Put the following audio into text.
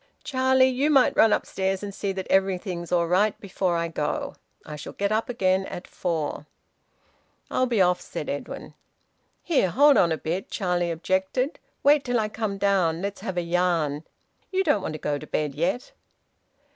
"Charlie, you might run upstairs and see that everything's all right before I go. I shall get up again at four." "I'll be off," said Edwin. "Here! Hold on a bit," Charlie objected. "Wait till I come down. Let's have a yarn. You don't want to go to bed yet."